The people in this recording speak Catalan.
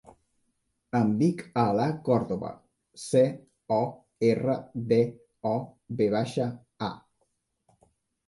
Em dic Alaa Cordova: ce, o, erra, de, o, ve baixa, a.